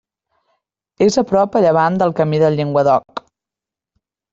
És a prop a llevant del Camí del Llenguadoc.